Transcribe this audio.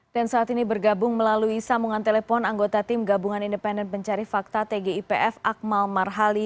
saat ini bergabung melalui sambungan telepon anggota tim gabungan independen pencari fakta tgipf akmal marhali